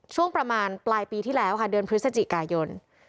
ช่วงประมาณปลายปีที่แล้วค่ะเดือนพฤศจิกายน